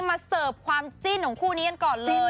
มาเสิร์ฟความจิ้นของคู่นี้กันก่อนเลย